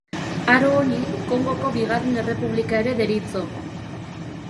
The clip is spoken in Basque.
Aro honi Kongoko Bigarren Errepublika ere deritzo.